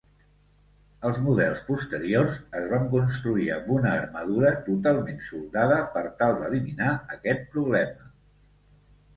Els models posteriors es van construir amb una armadura totalment soldada per tal d'eliminar aquest problema.